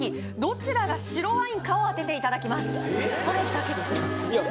それだけですいや